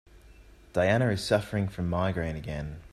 Diana is suffering from migraine again.